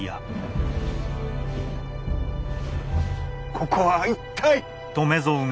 ここは一体。